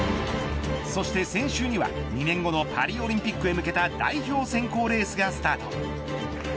そして先週には２年後のパリオリンピックへ向けた代表選考レースがスタート。